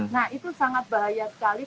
nah itu sangat bahaya sekali